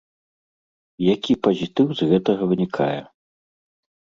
Які пазітыў з гэтага вынікае?